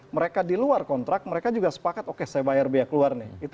mereka di luar kontrak mereka juga sepakat oke saya bayar biaya keluar nih